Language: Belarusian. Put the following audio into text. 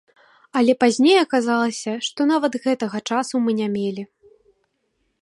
Але пазней аказалася, што нават гэтага часу мы не мелі.